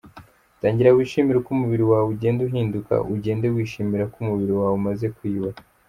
Tangira wishimire uko umubiri wawe ugenda uhinduka, ugende wishimira ko umubiri wawe umaze kwiyubaka.